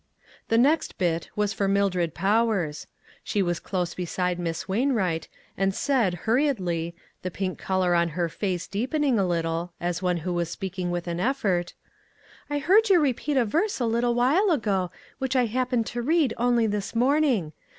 The next bit was for Mildred Powers. She was close beside Miss \Vainwright, and said, hurriedly, the pink color in her face deepening a little, as one who was speak ing with an effort: " I heard you repeat a verse a little while ago which I happened to read only this morning.